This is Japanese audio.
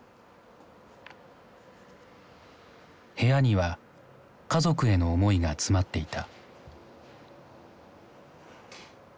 部屋には家族への思いが詰まっていた。